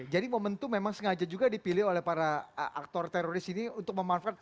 jadi momen itu memang sengaja juga dipilih oleh para aktor teroris ini untuk memanfaatkan